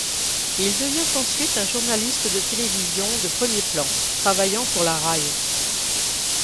Il devient ensuite un journaliste de télévision de premier plan, travaillant pour la Rai.